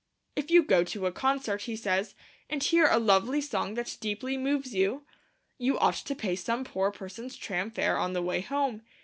If you go to a concert, he says, and hear a lovely song that deeply moves you, you ought to pay some poor person's tram fare on the way home.